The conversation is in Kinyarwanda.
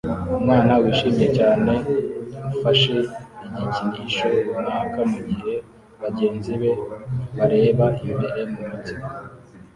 Umwana wishimye cyane ufashe igikinisho runaka mugihe bagenzi be bareba imbere mumatsiko